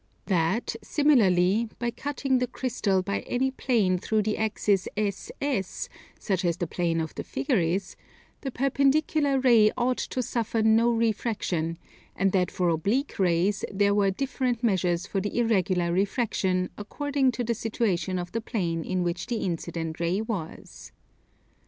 That, similarly, by cutting the crystal by any plane through the axis SS, such as the plane of the figure is, the perpendicular ray ought to suffer no refraction; and that for oblique rays there were different measures for the irregular refraction according to the situation of the plane in which the incident ray was.